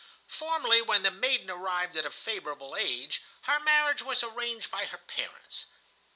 "Formerly, when the maiden arrived at a favorable age, her marriage was arranged by her parents.